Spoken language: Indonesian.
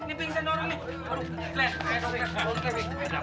eh glenn bangun